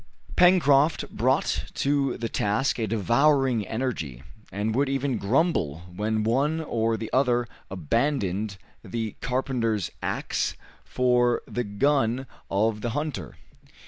Pencroft brought to the task a devouring energy, and would even grumble when one or the other abandoned the carpenter's axe for the gun of the hunter.